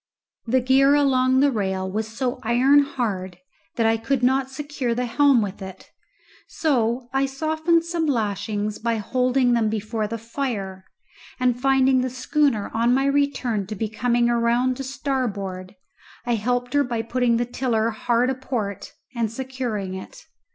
The gear along the rail was so iron hard that I could not secure the helm with it, so I softened some lashings by holding them before the fire, and finding the schooner on my return to be coming round to starboard, I helped her by putting the tiller hard a port and securing it.